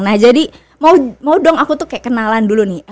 nah jadi mau dong aku tuh kayak kenalan dulu nih